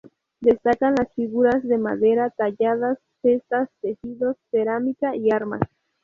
Destacan las figuras de madera talladas, cestas, tejidos, cerámica y armas.